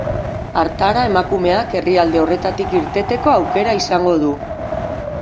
Hartara emakumeak herrialde horretatik irteteko aukera izango du.